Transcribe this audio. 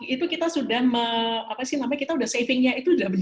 itu kita sudah apa sih namanya kita sudah savingnya itu sudah benar benar